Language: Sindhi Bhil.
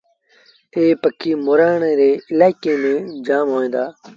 ايٚ پکي مورآڻي ري الآئيڪي ميݩ جآم اهي۔